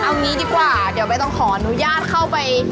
เอางี้ดีกว่าเดี๋ยวใบต้องขออนุญาตเข้าไป